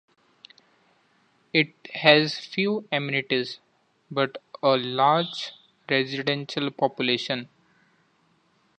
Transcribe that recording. It has few amenities, but a large residential population.